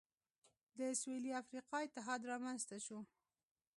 د سوېلي افریقا اتحاد رامنځته شو.